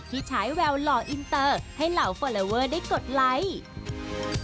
ฉายแววหล่ออินเตอร์ให้เหล่าฟอลลอเวอร์ได้กดไลค์